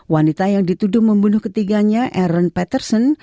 wanita yang dituduh membunuh ketiganya aaron patterson